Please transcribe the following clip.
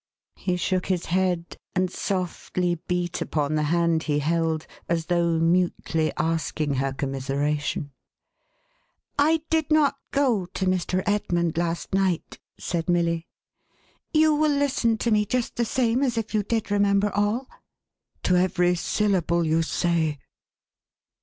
He shook his head, and softly beat upon the hand he held, as though mutely asking her commiseration. "I did not go to Mr. Edmund last night," said Milly. "You will listen to me just the same as if you did remember all?" "To every syllable you say."